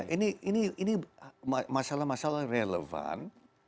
ini masalah masalah relevan